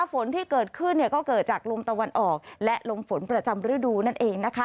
ฝนที่เกิดขึ้นก็เกิดจากลมตะวันออกและลมฝนประจำฤดูนั่นเองนะคะ